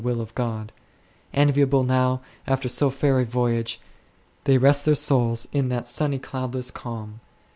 will of God ; enviable now after so fair a voyage, they rest their souls in that sunny cloudless calm.